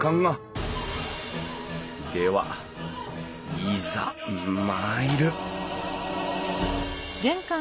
ではいざ参る！